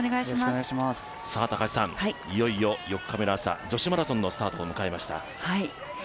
いよいよ４日目の朝、女子マラソンのスタートを迎えました。